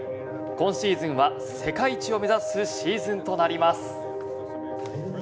今シーズンは世界一を目指すシーズンとなります。